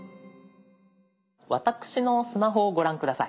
私のスマホをご覧下さい。